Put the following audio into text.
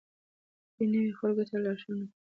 دوی نویو خلکو ته لارښوونه کوي.